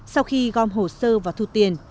sau khi gom hồ sơ và thu tiền